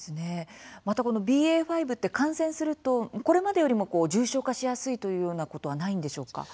またこのＢＡ．５って感染すると、これまでよりも重症化しやすいというようなことはないんでしょうか？